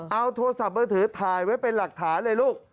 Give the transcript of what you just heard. เอาโทรศัพท์มือถือถ่ายไว้เป็นหลักฐานเลยลูก